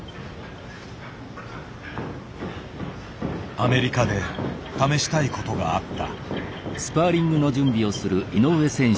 アメリカで試したいことがあった。